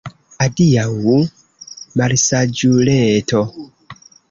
Adiaŭ, malsaĝuleto!